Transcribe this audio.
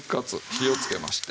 火をつけまして。